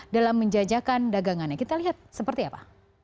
dalam menjajakan dagangannya kita lihat seperti apa